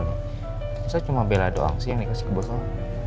bisa cuma bella doang sih yang dikasih ke bos aku